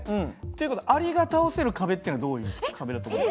っていう事はアリが倒せる壁っていうのはどういう壁だと思いますか？